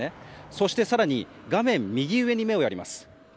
そして、画面右上に目をやります。